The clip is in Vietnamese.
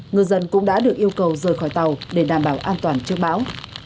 ngư dân cũng đã được yêu cầu rời khỏi tàu để đảm bảo an toàn trước bão